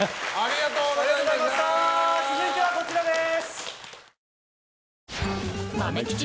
続いてはこちらです。